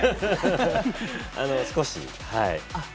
少し。